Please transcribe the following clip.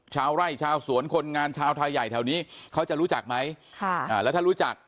ชาวไร่ชาวสวนคนงานชาวไทยใหญ่แถวนี้เขาจะรู้จักไหมค่ะอ่าแล้วถ้ารู้จัก